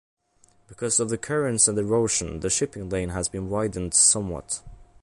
Because of the currents and erosion, the shipping lane has been widened somewhat.